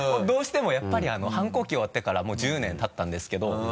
どうしてもやっぱり反抗期終わってからもう１０年たったんですけど。